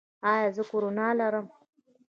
ایا زه کرونا لرم؟